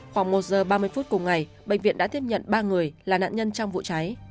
khoảng một giờ ba mươi phút cùng ngày bệnh viện đã tiếp nhận ba người là nạn nhân trong vụ cháy